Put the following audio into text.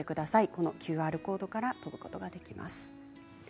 このＱＲコードから飛ぶことができます。